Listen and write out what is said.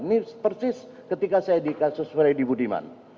ini persis ketika saya di kasus freddy budiman